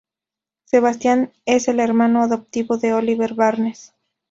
Sebastian es el hermano adoptivo de Oliver Barnes.